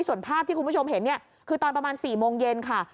ส่วนภาพที่คุณผู้ชมเห็นเนี่ยคือตอนประมาณ๔โมงเย็นค่ะ